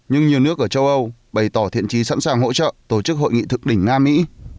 nhưng nhiều nước ở châu âu bày tỏ thiện trí sẵn sàng hỗ trợ tổ chức hội nghị thượng đỉnh nga mỹ